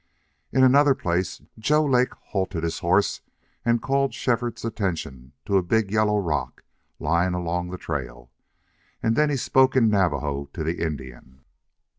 In another place Joe Lake halted his horse and called Shefford's attention to a big yellow rock lying along the trail. And then he spoke in Navajo to the Indian.